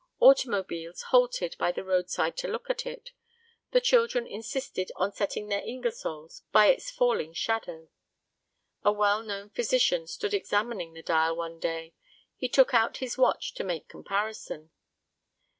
Automobiles halted by the roadside to look at it. The children insisted on setting their Ingersolls by its falling shadow. A well known physician stood examining the dial one day. He took out his watch to make comparison.